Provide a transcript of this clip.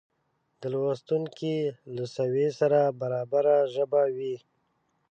د لوستونکې له سویې سره برابره ژبه وي